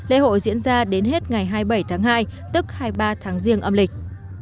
lễ hội diễn ra đến hết ngày hai mươi bảy tháng hai tức hai mươi ba tháng riêng âm lịch